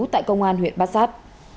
tại công an huyện bát sát